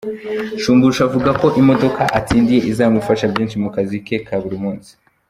Shumbusho avuga ko imodoka atsindiye izamufasha byinshi mu kazi ke ka buri munsi.